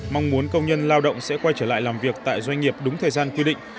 mong muốn công nhân lao động sẽ quay trở lại làm việc tại doanh nghiệp đúng thời gian quy định